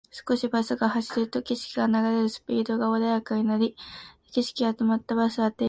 少しバスが走ると、景色が流れるスピードが緩やかになり、景色は止まった。バスは停止した。